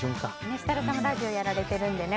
設楽さんもラジオやられてるんでね